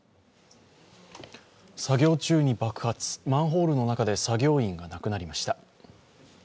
作業中に爆発、マンホールの中で作業員が亡くなりました。